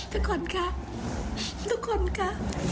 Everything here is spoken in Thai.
ทุกคนค่ะทุกคนค่ะ